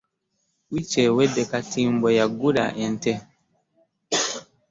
Wiiki ewedde katimbo yagula ente.